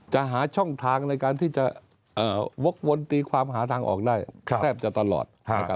หาช่องทางในการที่จะวกวนตีความหาทางออกได้แทบจะตลอด